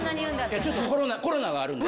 ちょっとコロナがあるんで。